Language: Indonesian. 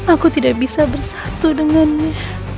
aku tidak bisa bersatu dengannya